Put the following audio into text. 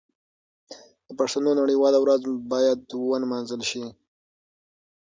د پښتو نړیواله ورځ باید ونمانځل شي.